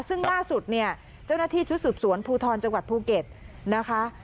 ซึ่งล่าสุดเนี่ยเจ้าหน้าที่ชุดสืบสวนภูทรจังหวัดภูเก็ตนะคะ